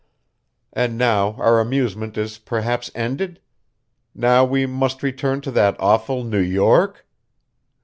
And now our amusement is perhaps ended? Now we must return to that awful New York?